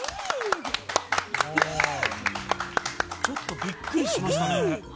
ちょっとビックリしましたね。